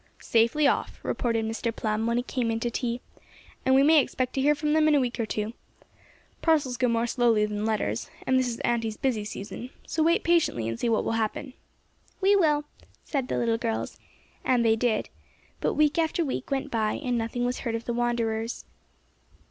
"Safely off," reported Mr. Plum, when he came into tea, "and we may expect to hear from them in a week or two. Parcels go more slowly than letters, and this is Aunty's busy season, so wait patiently and see what will happen." "We will," said the little girls; and they did, but week after week went by and nothing was heard of the wanderers.